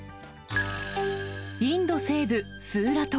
インド西部スーラト。